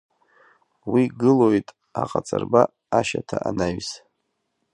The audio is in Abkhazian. Уи гылоит аҟаҵарба ашьаҭа анаҩс.